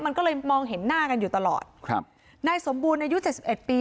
มันก็เลยมองเห็นหน้ากันอยู่ตลอดครับนายสมบูรณ์อายุเจ็ดสิบเอ็ดปี